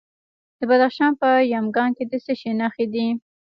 د بدخشان په یمګان کې د څه شي نښې دي؟